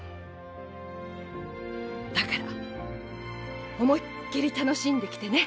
だから思いっ切り楽しんできてね。